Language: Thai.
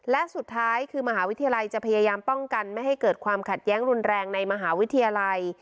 และสุดท้ายคือมหาวิทยาลัยจะพยายามป้องกันไม่ให้เกิดความขัดแย้งรุนแรงในมหาวิทยาลัย